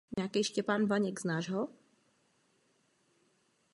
Hodí se proto k získávání "vysokého vakua".